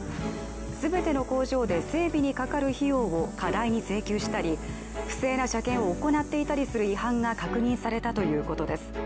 全ての工場で整備にかかる費用を過大に請求したり不正な車検を行っていたりする違反が確認されたということです。